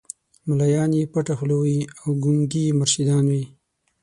مُلایان یې پټه خوله وي او ګونګي یې مرشدان وي